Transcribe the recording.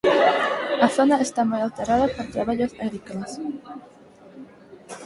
A zona está moi alterada por traballos agrícolas.